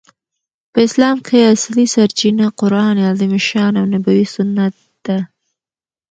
په اسلام کښي اصلي سرچینه قران عظیم الشان او نبوي سنت ده.